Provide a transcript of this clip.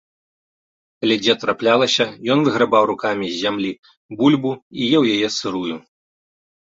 Калі дзе траплялася, ён выграбаў рукамі з зямлі бульбу і еў яе сырую.